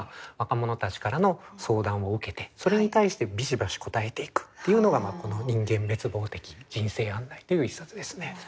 若者たちからの相談を受けてそれに対してビシバシ答えていくというのがこの「人間滅亡的人生案内」という一冊ですね。